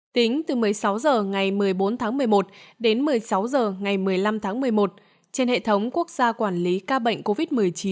tính từ một mươi sáu h ngày một mươi bốn tháng một mươi một đến một mươi sáu h ngày một mươi năm tháng một mươi một trên hệ thống quốc gia quản lý ca bệnh covid một mươi chín